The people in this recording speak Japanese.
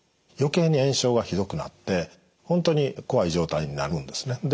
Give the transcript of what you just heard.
余計に炎症がひどくなって本当に怖い状態になるんですね。